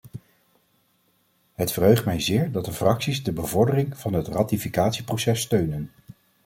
Het verheugt mij zeer dat de fracties de bevordering van het ratificatieproces steunen.